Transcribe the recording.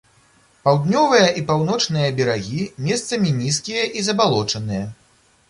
Паўднёвыя і паўночныя берагі месцамі нізкія і забалочаныя.